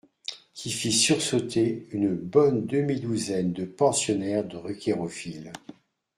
qui fit sursauter une bonne demi-douzaine de pensionnaires druckerophiles.